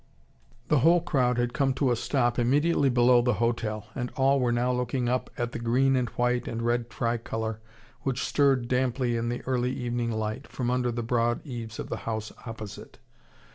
The whole crowd had come to a stop immediately below the hotel, and all were now looking up at the green and white and red tricolour which stirred damply in the early evening light, from under the broad eaves of the house opposite.